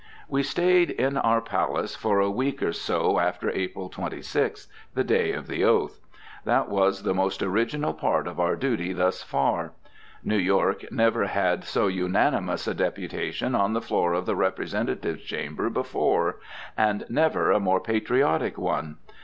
We stayed in our palace for a week or so after April 26th, the day of the oath. That was the most original part of our duty thus far. New York never had so unanimous a deputation on the floor of the Representatives Chamber before, and never a more patriotic one.